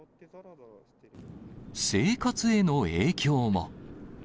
生活への影響も。